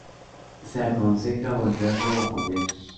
Se aconseja volverlo a poner.